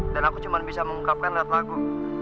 dan aku cuma bisa mengungkapkan melihat lagu